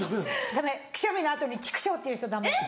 ダメくしゃみの後にチクショ！って言う人ダメ。